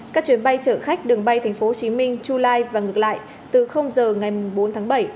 các chuyến bay chở khách đường bay tp hcm july và ngược lại từ h ngày bốn tháng bảy